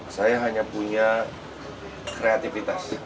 saya hanya punya kreativitas